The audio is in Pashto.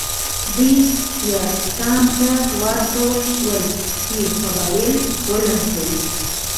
دوی یاغستان ته واستول شول چې قبایل ولمسوي.